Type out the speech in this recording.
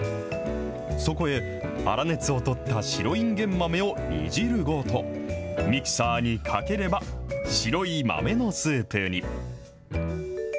そこへ、粗熱を取った白いんげん豆を煮汁ごと、ミキサーにかければ白い豆のスープに。